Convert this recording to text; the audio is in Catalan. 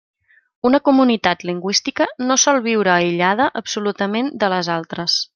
Una comunitat lingüística no sol viure aïllada absolutament de les altres.